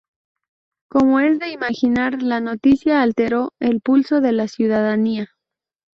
Como es de imaginar, la noticia alteró el pulso de la ciudadanía.